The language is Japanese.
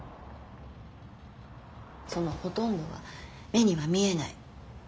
そのほとんどは目には見えない。